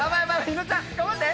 伊野尾ちゃん頑張って！